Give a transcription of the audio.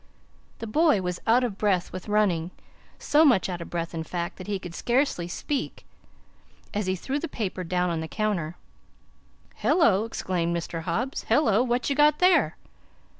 The boy was out of breath with running; so much out of breath, in fact, that he could scarcely speak as he threw the paper down on the counter. "Hello!" exclaimed Mr. Hobbs. "Hello! What you got there?"